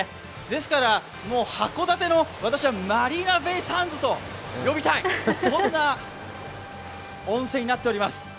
ですから、函館のマリーナベイ・サンズと呼びたいそんな温泉になっております。